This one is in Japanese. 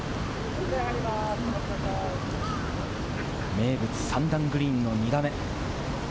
名物３段グリーンの２打目。